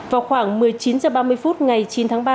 vào khoảng một mươi chín h ba mươi phút ngày chín tháng ba